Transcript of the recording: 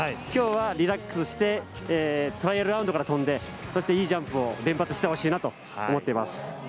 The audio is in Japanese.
今日はリラックスしてトライアルラウンドから飛んでいいジャンプを連発してほしいなと思っています。